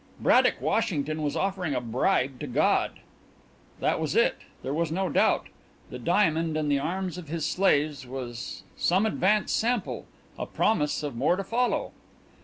Braddock Washington was offering a bribe to God! That was it there was no doubt. The diamond in the arms of his slaves was some advance sample, a promise of more to follow.